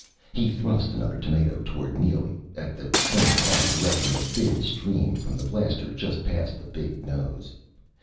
He thrust another tomato toward Neely, at the same time directing a thin stream from the blaster just past the big nose.